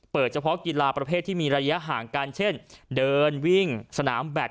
เฉพาะกีฬาประเภทที่มีระยะห่างกันเช่นเดินวิ่งสนามแบต